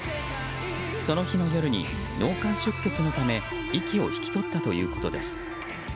その日の夜に、脳幹出血のため息を引き取ったということです。